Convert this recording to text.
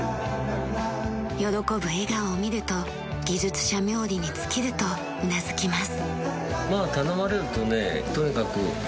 喜ぶ笑顔を見ると技術者冥利に尽きるとうなずきます。